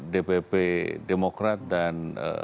dpp demokrat dan